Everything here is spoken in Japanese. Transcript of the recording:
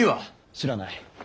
知らない。